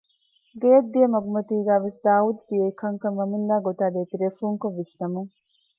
ގެއަށް ދިޔަ މަގުމަތީގައިވެސް ދާއޫދު ދިޔައީ ކަންކަން ވަމުންދާ ގޮތާ ދޭތެރޭ ފުންކޮށް ވިސްނަމުން